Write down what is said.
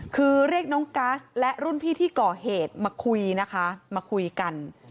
คือเรียกน้องกัสและรุ่นพี่ที่ก่อเหตุมาคุยนะคะมาคุยกัน